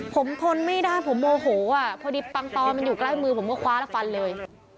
ผมทนไม่ได้ผมโมโหพอดีปังตอมันอยู่ใกล้มือผมก็คว้าแล้วฟันเลย